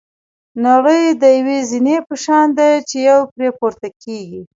نړۍ د یوې زینې په شان ده چې یو پرې پورته کېږي.